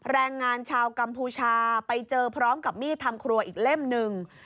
แรงงานชาวกัมพูชาไปเจอพร้อมกับมีดทำครัวอีกเล่มหนึ่ง